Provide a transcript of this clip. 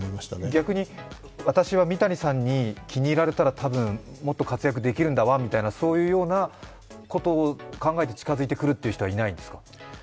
逆に、私は三谷さんに気に入られたら多分もっと活躍できるんだわみたいなことを考えて近づいてくるっていう人はいないんですか？